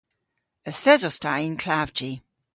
Yth esos ta y'n klavji.